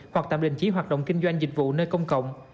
hoặc tạm đình chỉ hoạt động kinh doanh dịch vụ nơi công cộng